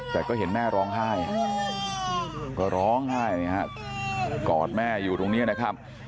แต่ก็เห็นแม่ร้องไห้ก็ร้องไห้นะครับกอดแม่อยู่ตรงนี้นะครับ